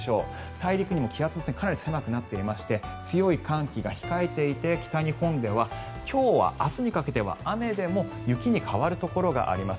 大陸も気圧の線かなり狭くなっていまして強い寒気が控えていて北日本では今日は明日にかけては雨でも雪に変わるところがあります。